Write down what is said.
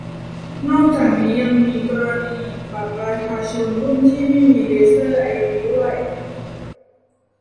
นอกจากนี้ ยังมีกรณีบัตรประชาชนรุ่นที่ไม่มีเลเซอร์ไอดีด้วย